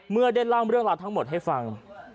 เมื่อได้เล่าเรื่องราวทั้งหมดให้ฟัง